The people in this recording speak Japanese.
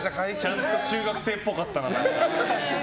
ちゃんと中学生っぽかったな。